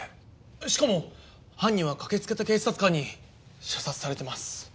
しかも犯人は駆けつけた警察官に射殺されてます。